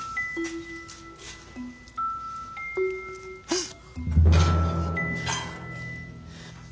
あっ！